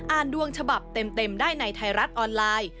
ดวงฉบับเต็มได้ในไทยรัฐออนไลน์